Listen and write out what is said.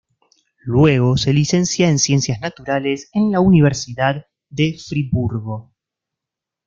Luego se licencia en Ciencias Naturales en la Universidad de Friburgo.